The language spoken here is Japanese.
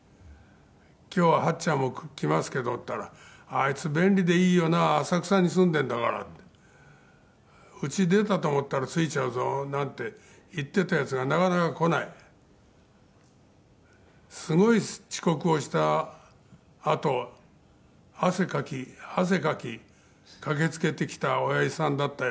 「“今日ははっちゃんも来ますけど”って言ったら“あいつ便利でいいよな浅草に住んでいるんだから”って」「“家出たと思ったら着いちゃうぞ”なんて言っていたヤツがなかなか来ない」「すごい遅刻をしたあと汗かき汗かき駆けつけてきた親父さんだったよ」